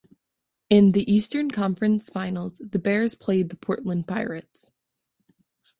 In the Eastern Conference finals, the Bears played the Portland Pirates.